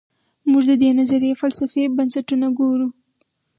موږ د دې نظریې فلسفي بنسټونه ګورو.